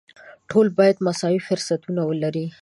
ټول باید مساوي فرصتونه ولري.